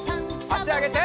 あしあげて。